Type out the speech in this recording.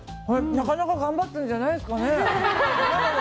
なかなか頑張ったんじゃないですかね。